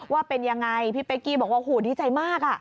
ว่าเป็นยังไงพี่เป๊กกี้บอกว่าหูดีใจมาก